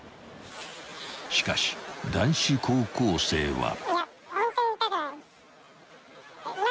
［しかし男子高校生は］